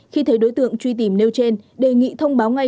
khi thấy đối tượng truy tìm nêu trên đề nghị thông báo ngay